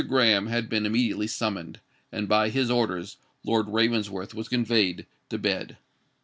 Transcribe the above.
Graham had been immediately summoned; and by his orders Lord Ravensworth was conveyed to bed.